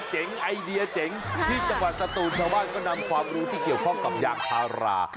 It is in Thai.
เจ๋งไอเดียเจ๋งที่จังหวัดศาตุรสวรรค์ก็นำความรู้ที่เกี่ยวข้องกับอย่างภารา